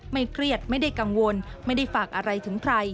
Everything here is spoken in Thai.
เครียดไม่ได้กังวลไม่ได้ฝากอะไรถึงใคร